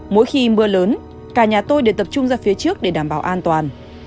mỗi khi mưa lớn cả nhà tôi đều tập trung ra phía trước để đảm bảo an toàn